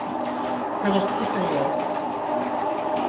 Con Steppenwolf.